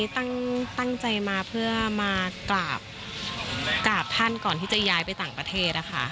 ตั้งใจมาเพื่อมากราบท่านก่อนที่จะย้ายไปต่างประเทศ